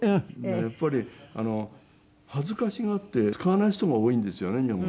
やっぱり恥ずかしがって使わない人が多いんですよね日本。